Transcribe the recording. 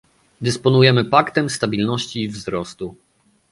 Dysponujemy paktem stabilności i wzrostu